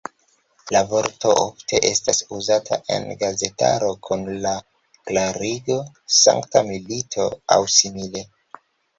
La vorto ofte estas uzata en gazetaro kun la klarigo "sankta milito" aŭ simile.